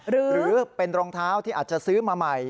หรือเป็นรองเท้าที่อาจจะซื้อมาใหม่